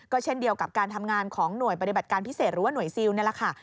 เช่นเดียวกับการทำงานของหน่วยปฏิบัติการพิเศษหรือว่าหน่วยซิลนี่แหละค่ะ